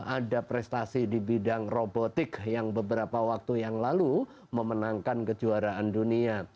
ada prestasi di bidang robotik yang beberapa waktu yang lalu memenangkan kejuaraan dunia